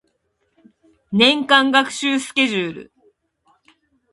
年間学習スケジュール